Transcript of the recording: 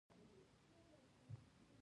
کلیوالو د طبیعي شرایطو له سختیو سره مخ وو.